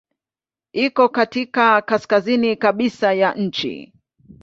Iko katika kaskazini kabisa ya nchi.